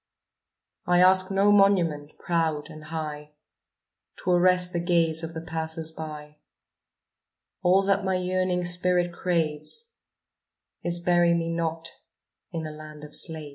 I ask no monument, proud and high, To arrest the gaze of the passers by; All that my yearning spirit craves, Is bury me not in a land of slaves.